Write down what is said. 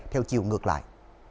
theo chiều ngược lại